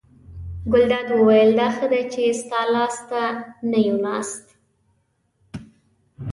ګلداد وویل: دا ښه دی چې ستا لاس ته نه یو ناست.